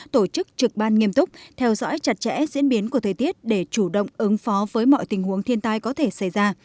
tổ chức trực ban nghiêm túc theo dõi chặt chẽ diễn biến của thời tiết để chủ động ứng phó với mọi tình huống thiên tai có thể xảy ra